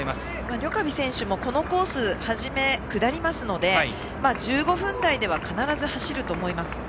ニョカビ選手もこのコース初めは下りますので１５分台では必ず走ると思います。